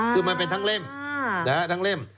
คือมันเป็นทั้งเล่มทั้งเล่ม